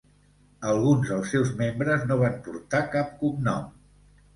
Alguns els seus membres no van portar cap cognom.